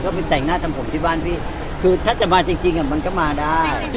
ก็ไปแต่งหน้าทำผมที่บ้านพี่คือถ้าจะมาจริงมันก็มาได้